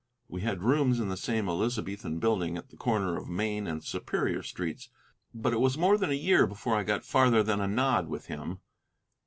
We had rooms in the same Elizabethan building at the corner of Main and Superior streets, but it was more than a year before I got farther than a nod with him.